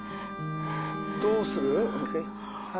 どうする？